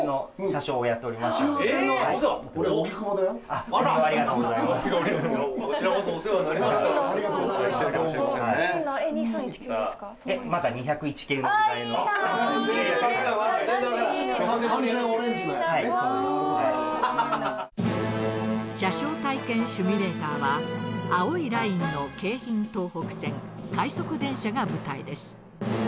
車掌体験シミュレーターは青いラインの京浜東北線快速電車が舞台です。